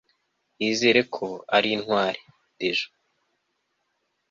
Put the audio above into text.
yizera ko ari intwari. (dejo